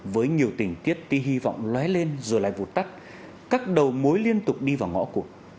với nhiều tình tiết tí hy vọng lóe lên rồi lại vụt tắt các đầu mối liên tục đi vào ngõ cụ